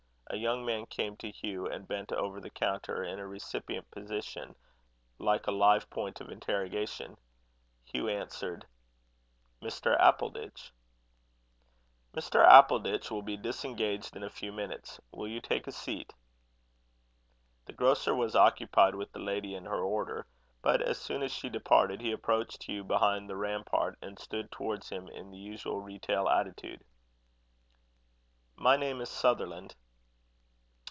A young man came to Hugh, and bent over the counter in a recipient position, like a live point of interrogation. Hugh answered "Mr. Appleditch." "Mr. Appleditch will be disengaged in a few minutes. Will you take a seat?" The grocer was occupied with the lady and her order; but as soon as she departed, he approached Hugh behind the rampart, and stood towards him in the usual retail attitude. "My name is Sutherland."